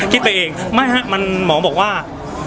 คิดตัวเองไม่ครับหมอบอกว่า